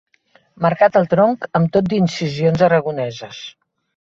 Marcat al tronc amb tot d'incisions aragoneses.